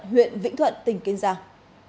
huyện vĩnh thuận tỉnh kiên giang